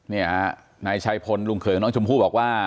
นี่ครับนายชัยพลลุงเผยน้องชมพู่บอกว่า